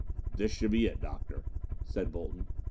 "This should be it, Doctor," said Bolton.